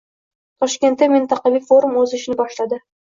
Toshkentda mintaqaviy forum o‘z ishini boshladi